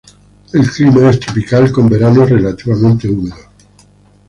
El clima es tropical, con veranos relativamente húmedos.